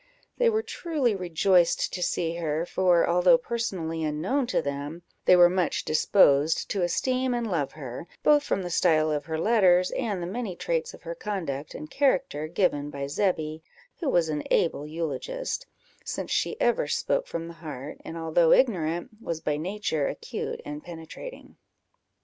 They were truly rejoiced to see her; for, although personally unknown to them, they were much disposed to esteem and love her, both from the style of her letters, and the many traits of her conduct and character given by Zebby, who was an able eulogist, since she ever spoke from the heart, and although ignorant, was by nature acute and penetrating.